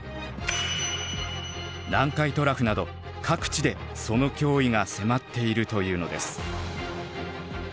南海トラフなど各地でその脅威が迫っているというのです。